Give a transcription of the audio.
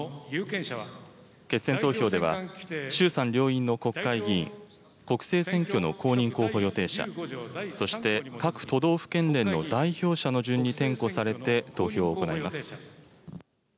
決選投票では、衆参両院の国会議員、国政選挙の公認候補予定者、そして各都道府県連の代表者の順に点呼されて投票を行います。